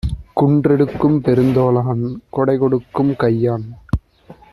குன்றெடுக்கும் பெருந்தோளான் கொடைகொடுக்கும் கையான்!